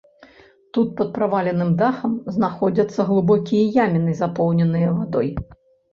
Тут пад праваленым дахам знаходзяцца глыбокія яміны, запоўненыя вадой.